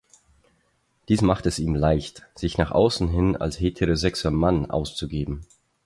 Dies macht es ihm leicht, sich nach außen hin als heterosexueller Mann auszugeben.